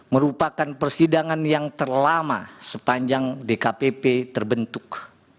merupakan persidangan yang terlama sepanjang dkpp terbentuk